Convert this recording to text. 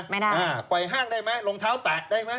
ไม่ได้ปล่อยห้างได้ไหมรองเท้าแตกได้ไหม